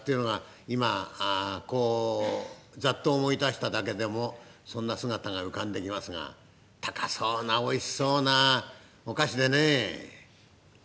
今ざっと思い出しただけでもそんな姿が浮かんできますが高そうなおいしそうなお菓子でねえ。